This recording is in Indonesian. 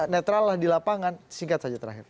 netral lah di lapangan singkat saja terakhir